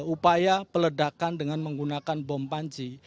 upaya peledakan dengan menggunakan bom panci